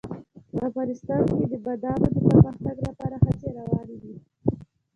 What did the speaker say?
افغانستان کې د بادامو د پرمختګ لپاره هڅې روانې دي.